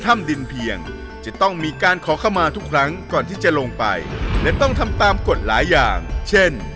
ไม่เชื่อ